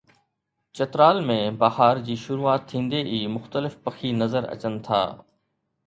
چترال ۾ بهار جي شروعات ٿيندي ئي مختلف پکي نظر اچن ٿا